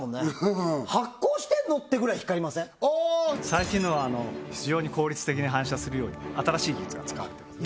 最新のは非常に効率的に反射するように新しい技術が使われてます